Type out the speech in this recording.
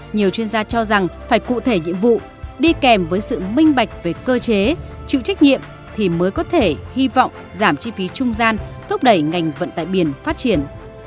nhiều chuyên gia cho rằng phải cụ thể nhiệm vụ đi kèm với sự minh bạch về cơ chế chịu trách nhiệm thì mới có thể hy vọng giảm chi phí trung gian thúc đẩy ngành vận tải biển phát triển